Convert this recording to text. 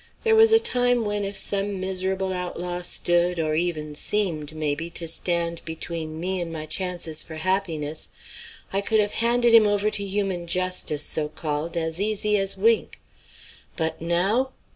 There was a time when if some miserable outlaw stood, or even seemed, maybe, to stand between me and my chances for happiness, I could have handed him over to human justice, so called, as easy as wink; but now?